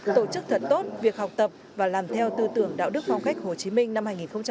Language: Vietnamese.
tổ chức thật tốt việc học tập và làm theo tư tưởng đạo đức phong cách hồ chí minh năm hai nghìn hai mươi